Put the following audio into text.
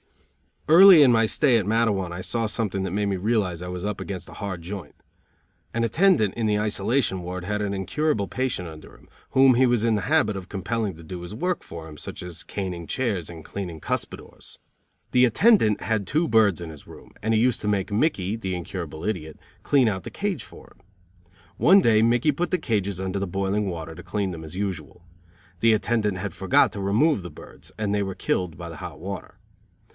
Early in my stay at Matteawan I saw something that made me realize I was up against a hard joint. An attendant in the isolation ward had an incurable patient under him, whom he was in the habit of compelling to do his work for him, such as caning chairs and cleaning cuspidors. The attendants had two birds in his room, and he used to make Mickey, the incurable idiot, clean out the cage for him. One day Mickey put the cages under the boiling water, to clean them as usual. The attendant had forgot to remove the birds, and they were killed by the hot water.